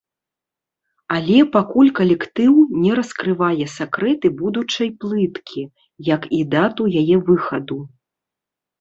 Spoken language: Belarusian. Але пакуль калектыў не раскрывае сакрэты будучай плыткі, як і дату яе выхаду.